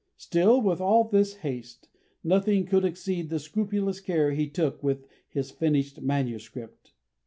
Still, with all this haste, nothing could exceed the scrupulous care he took with his finished manuscript.